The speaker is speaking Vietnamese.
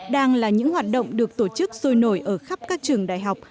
đang là những hoạt động được tổ chức sôi nổi ở khắp các trường đại học